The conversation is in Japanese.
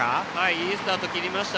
いいスタート切りました